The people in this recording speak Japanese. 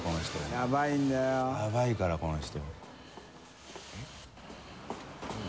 ヤバイからこの人。